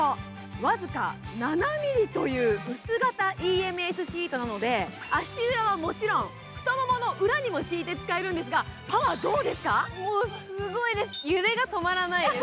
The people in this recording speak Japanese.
僅か７ｍｍという薄型ＥＭＳシートなので、足裏はもちろん、太ももの裏にも敷いて使えるんですが、もうすっごいです、揺れが止まらないです。